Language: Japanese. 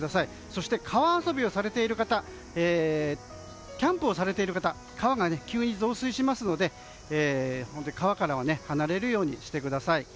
そして川遊びをされている方キャンプをされている方川が急に増水しますので川からは離れるようにしてください。